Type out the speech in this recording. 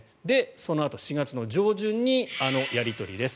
そのあと、４月上旬にあのやり取りです。